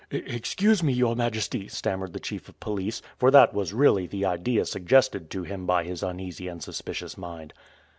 "Excuse me, your majesty," stammered the chief of police, for that was really the idea suggested to him by his uneasy and suspicious mind.